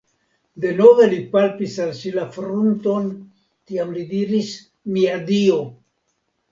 Denove li palpis al si la frunton, tiam li diris:-- Mia Dio!